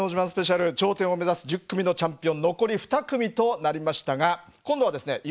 スペシャル頂点を目指す１０組のチャンピオン」残り２組となりましたが今度はですね